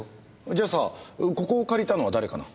じゃあさここを借りたのは誰かな？